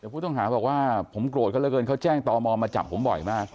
ผู้ต้องหาบอกว่าผมโกรธก็เลยเขาแจ้งตอบมอบมาจับผมบ่อยมาก